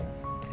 ya ganti ya